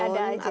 pasti ada aja